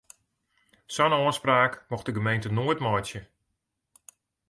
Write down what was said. Sa'n ôfspraak mocht de gemeente noait meitsje.